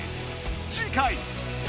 次回！